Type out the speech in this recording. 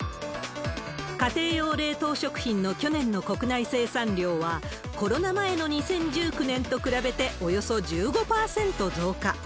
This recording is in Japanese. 家庭用冷凍食品の去年の国内生産量は、コロナ前の２０１９年と比べて、およそ１５％増加。